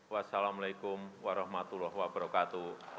wassalamu alaikum warahmatullahi wabarakatuh